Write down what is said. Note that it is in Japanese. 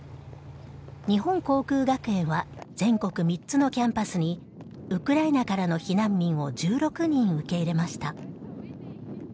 日本航空学園は全国３つのキャンパスにウクライナからの避難民を１６人受け入れました。